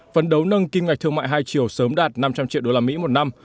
phấn đấu nâng kim ngạch thương mại hai triệu sớm đạt năm trăm linh triệu usd một năm